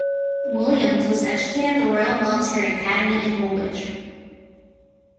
Williams was educated at the Royal Military Academy in Woolwich.